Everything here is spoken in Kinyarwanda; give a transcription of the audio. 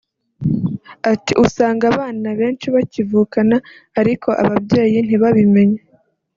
Ati “Usanga abana benshi bakivukana ariko ababyeyi ntibabimenye